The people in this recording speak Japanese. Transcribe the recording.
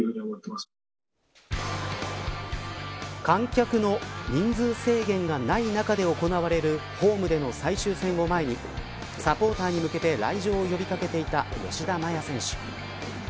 観客の人数制限がない中で行われるホームでの最終戦を前にサポーターに向けて来場を呼び掛けていた吉田麻也選手。